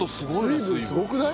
水分すごくない？